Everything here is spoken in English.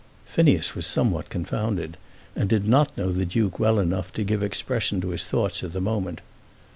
Phineas was somewhat confounded, and did not know the Duke well enough to give expression to his thoughts at the moment.